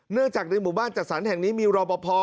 เนื่องจากในหมู่บ้านจัดสรรแห่งนี้มีรอปภ